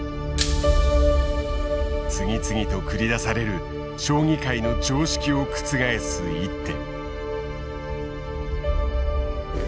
次々と繰り出される将棋界の常識を覆す一手。